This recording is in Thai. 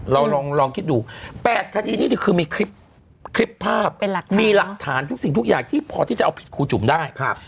เราลองคิดดู๘คดีนี้จะมีคลิปภาพมีหลักฐานพอที่จะมาเอาผิดคู่จุ๋มได้